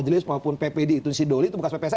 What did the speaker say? jadi itu si doli itu bukan ppsa